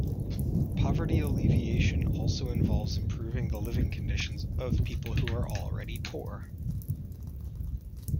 Poverty alleviation also involves improving the living conditions of people who are already poor.